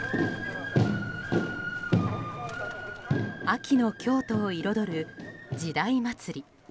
秋の京都を彩る、時代祭。